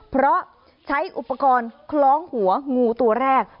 เพราะใช้อุปกรณ์คล้องหัวงูตัวแรก